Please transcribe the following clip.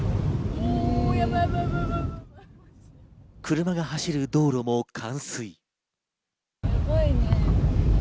車が走る道路も冠水。